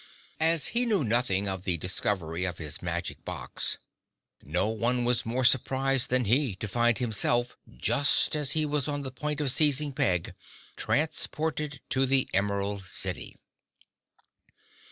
As he knew nothing of the discovery of his magic box, no one was more surprised than he to find himself, just as he was on the point of seizing Peg, transported to the Emerald City.